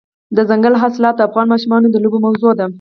دځنګل حاصلات د افغان ماشومانو د لوبو موضوع ده.